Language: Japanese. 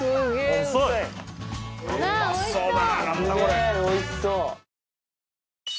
おいしそう！